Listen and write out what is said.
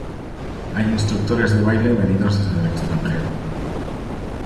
Hay instructores de baile venidos desde el extranjero.